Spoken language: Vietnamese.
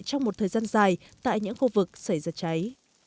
trong một thời gian dài tại những khu vực xảy ra cháy